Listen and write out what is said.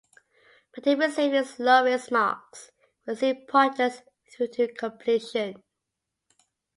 But he received his lowest marks for seeing projects through to completion.